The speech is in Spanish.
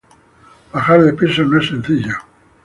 Bajar de peso no es sencillo